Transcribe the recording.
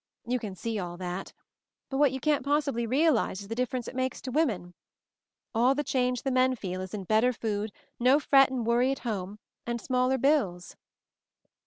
You can see all that. But what you can't possibly realize is the difference it makes to women. All the change the men feel is in better food, no fret and worry at home, and smaller bills."